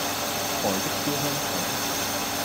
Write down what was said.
台式燒香腸